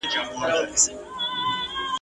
سل روپۍ پور که، یو زوی کابل کي لوی کړه ..